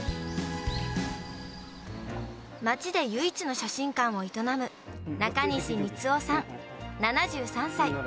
町で唯一の写真館を営む、中西三男さん７３歳。